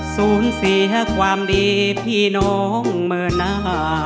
สูญเสียความดีพี่น้องเมื่อหน้า